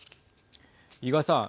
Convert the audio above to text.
伊賀さん。